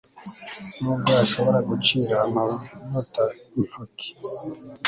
nubwo ashobora gucira amavuta intoki